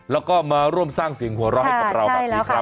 แล้วก็มาร่วมสร้างเสียงหัวเราะให้กับเราแบบนี้ครับ